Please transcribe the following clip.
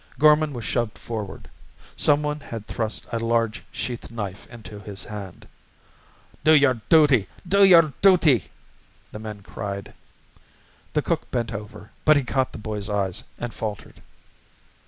Gorman was shoved forward. Some one had thrust a large sheath knife into his hand. "Do yer duty! Do yer duty!" the men cried. The cook bent over, but he caught the boy's eyes and faltered.